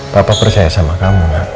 papa percaya sama kamu